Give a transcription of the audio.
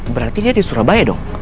berarti dia di surabaya dong